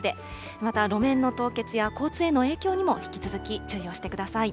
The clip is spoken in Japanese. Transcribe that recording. また路面の凍結や交通への影響にも引き続き注意をしてください。